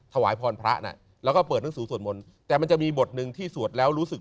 ถวายพรพระน่ะแล้วก็เปิดหนังสือสวดมนต์แต่มันจะมีบทหนึ่งที่สวดแล้วรู้สึก